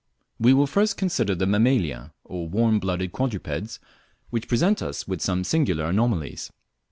We will first consider the Mammalia or warm blooded quadrupeds, which present us with some singular anomalies.